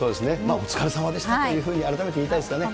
お疲れさまでしたというふうに改めて言いたいですよね。